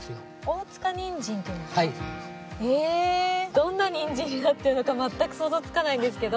どんなニンジンになってるのか全く想像つかないんですけど。